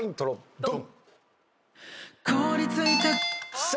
ドン！